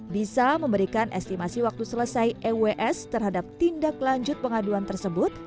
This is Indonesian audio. bisa memberikan estimasi waktu selesai ews terhadap tindak lanjut pengaduan tersebut